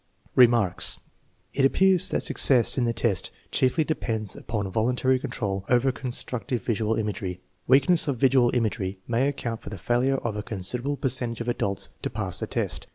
Remarks. It appears that success in the test chiefly depends upon voluntary control over constructive visual imagery. Weakness of visual imagery may account for the failure of a considerable percentage of adults to pass the test.